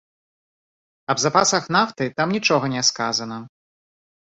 Аб запасах нафты там нічога не сказана.